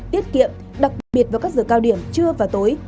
tiết kiệm đặc biệt vào các giờ cao điểm trưa và tối